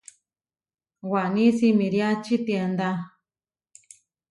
Waní simiriači tiendá.